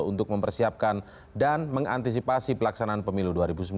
untuk mempersiapkan dan mengantisipasi pelaksanaan pemilu dua ribu sembilan belas